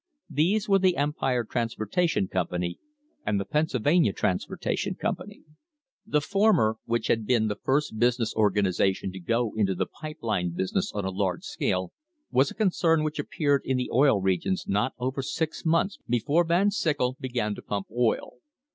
These were the Empire Transportation Company and the Pennsylvania Transportation Company. The former, which had been the first business organisation to go into the pipe line business on a large scale, was a concern which had appeared in the Oil Regions not over six months before Van Syckel began to pump oil.